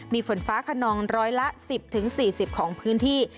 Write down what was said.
มีฝนฟ้าขนองร้อยละ๑๐๔๐ของพื้นที่